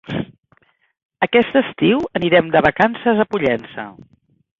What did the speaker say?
Aquest estiu anirem de vacances a Pollença.